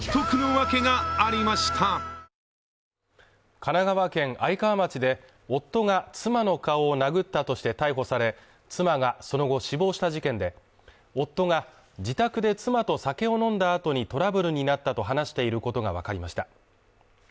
神奈川県愛川町で夫が妻の顔を殴ったとして逮捕され、妻が、その後死亡した事件で、夫が自宅で妻と酒を飲んだ後にトラブルになったと話していることがわかりました。